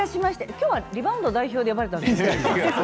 今日はリバウンド代表で呼ばれたんですか？